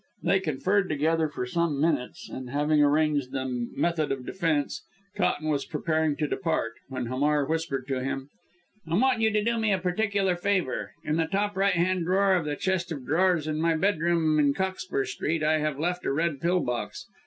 They conferred together for some minutes, and having arranged the method of defence, Cotton was preparing to depart, when Hamar whispered to him "I want you to do me a particular favour. In the top right hand drawer of the chest of drawers in my bedroom, in Cockspur Street, I have left a red pill box.